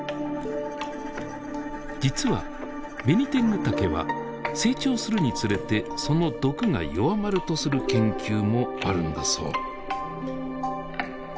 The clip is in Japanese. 実はベニテングタケは成長するにつれてその毒が弱まるとする研究もあるんだそう。